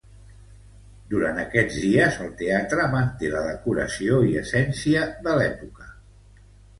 Durant aquests dies, el teatre manté la decoració i essència de l’època.